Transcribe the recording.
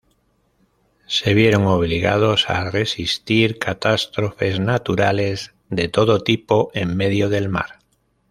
Se vieron obligados a resistir catástrofes naturales de todo tipo en medio del mar.